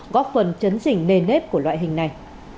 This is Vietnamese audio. góp phần chấn chỉnh nền nếp của loại hình này